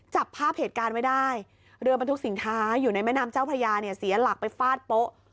จับภาพเหตุการณ์ไว้ได้เรือบรรทุกสินค้าอยู่ในแม่น้ำเจ้าพระยาเนี่ยเสียหลักไปฟาดโป๊ะ